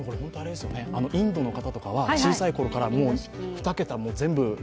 インドの方とかは小さいころから、２桁も全部。